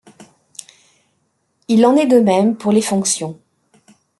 Il en est de même pour les fonctions.